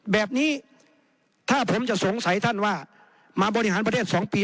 แบบนี้ถ้าผมจะสงสัยท่านว่ามาบริหารประเทศ๒ปี